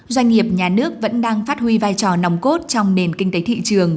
doanh nghiệp nhà nước vẫn đang phát huy vai trò nòng cốt trong nền kinh tế thị trường